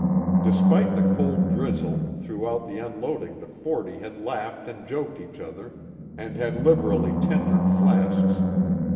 Despite the cold drizzle, throughout the unloading the forty had laughed and joked each other and had liberally tendered flasks.